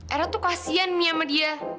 era tuh kasian nih sama dia